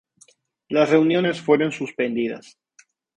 Las reuniones fueron suspendidas.